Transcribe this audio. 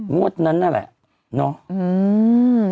งวดนั้นนั่นแหละเนาะ